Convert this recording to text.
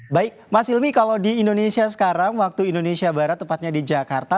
baik mas ilmi kalau di indonesia sekarang waktu indonesia barat tepatnya di jakarta